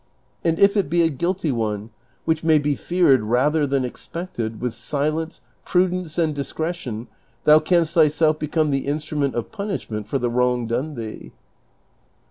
And if it be a guilty one, which may be feared rather than expected, with silence, l)rudence, and discretion thou canst thyself become the insti ument of punishment for the wrong done thee."